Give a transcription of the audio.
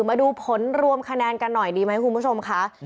มาดูผลรวมคะแนนกันหน่อยดีไหมคุณผู้ชมค่ะ